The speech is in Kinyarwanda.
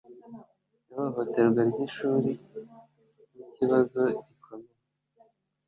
Ihohoterwa ryishuri nikibazo gikomeye.